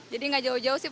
jadi gak jauh jauh sih